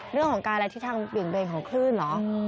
เรื่องของการอะไรที่ทางเหลืองเบลงของคลื่นหรอ